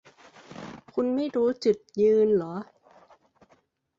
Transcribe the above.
คุณไม่รู้จุดยืนหรอ